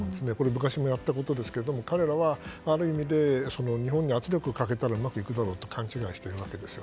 昔やったことですが彼らはある意味で日本に圧力をかけたらうまくいくだろうと勘違いしてるわけですよ。